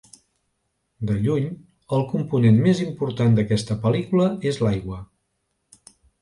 De lluny, el component més important d'aquesta pel·lícula és l'aigua.